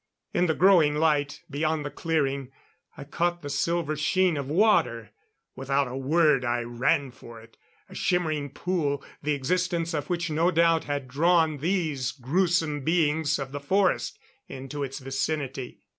In the growing light, beyond the clearing, I caught the silver sheen of water. Without a word I ran for it; a shimmering pool the existence of which no doubt had drawn these grewsome beings of the forest into its vicinity.